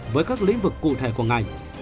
với các lĩnh vực cụ thể của ngành